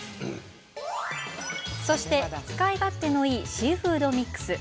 そして使い勝手のいいシーフードミックス。